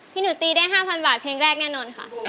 หนูตีได้๕๐๐บาทเพลงแรกแน่นอนค่ะ